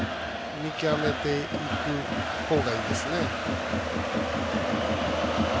見極めていく方がいいですね。